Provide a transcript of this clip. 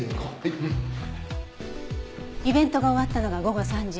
イベントが終わったのが午後３時。